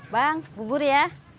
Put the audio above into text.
bang bubur ya